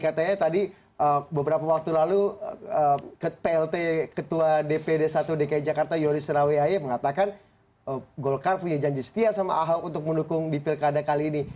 katanya tadi beberapa waktu lalu plt ketua dpd satu dki jakarta yoris rawe aye mengatakan golkar punya janji setia sama ahok untuk mendukung di pilkada kali ini